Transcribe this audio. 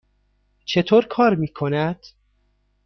چطور کار می کند؟